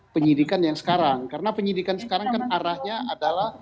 penyelidikan yang sekarang karena penyelidikan sekarang kan arahnya adalah